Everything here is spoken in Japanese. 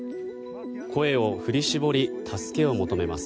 声を振り絞り、助けを求めます。